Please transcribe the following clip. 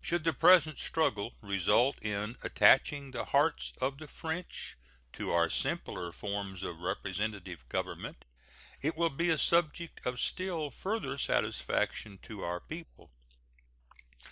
Should the present struggle result in attaching the hearts of the French to our simpler forms of representative government, it will be a subject of still further satisfaction to our people.